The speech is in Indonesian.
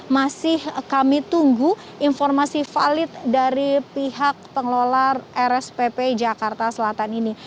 masih kami tunggu informasi valid dari pihak pengelola rspp jakarta selatan ini